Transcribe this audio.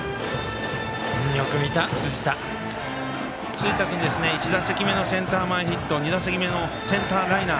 辻田君、１打席目のセンター前ヒット２打席目のセンターライナー。